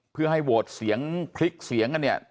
เพื่อให้โหวตเสียงพลิกเสียงกันเนี่ย